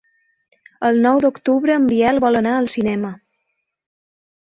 El nou d'octubre en Biel vol anar al cinema.